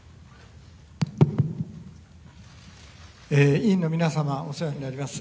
委員の皆様、お世話になります。